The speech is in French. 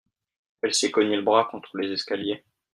Elle s'est cognée le bras contre les escaliers.